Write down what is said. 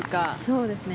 そうですね。